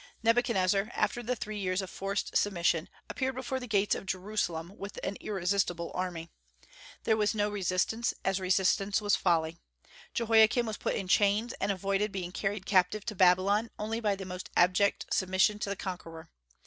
Nebuchadnezzar, after the three years of forced submission, appeared before the gates of Jerusalem with an irresistible army. There was no resistance, as resistance was folly. Jehoiakim was put in chains, and avoided being carried captive to Babylon only by the most abject submission to the conqueror.